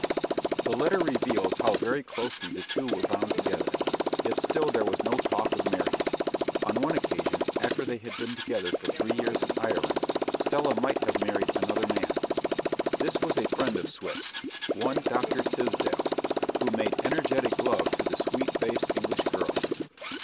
The letters reveal how very closely the two were bound together, yet still there was no talk of marriage. On one occasion, after they had been together for three years in Ireland, Stella might have married another man. This was a friend of Swift's, one Dr. Tisdall, who made energetic love to the sweet faced English girl.